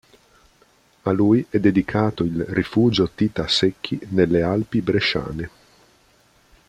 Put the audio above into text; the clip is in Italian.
A lui è dedicato il Rifugio Tita Secchi nelle alpi bresciane.